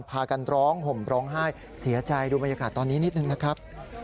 พากันร้องห่มร้องไห้เสียใจดูบรรยากาศตอนนี้นิดนึงนะครับ